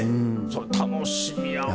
それ楽しみやわ。